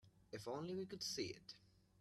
If only we could see it.